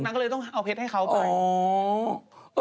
นางก็เลยต้องเอาเพชรให้เขาไปไม่เอาน้ำอ๋อ